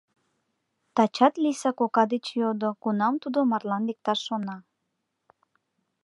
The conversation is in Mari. Тачат Лийса кока деч йодо, кунам тудо марлан лекташ шона.